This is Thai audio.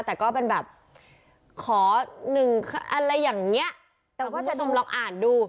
แต่ก็เป็นแบบขออะไรอย่างนี้แต่คุณผู้ชมเราอ่านดู